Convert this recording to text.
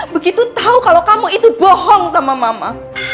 begitu tahu kalau kamu itu bohong sama mama